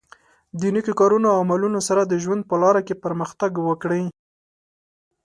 د نېکو کارونو او عملونو سره د ژوند په لاره کې پرمختګ وکړئ.